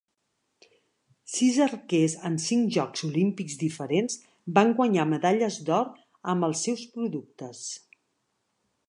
Sis arquers en cinc Jocs Olímpics diferents van guanyar medalles d'or amb els seus productes.